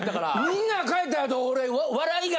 みんな帰った後俺。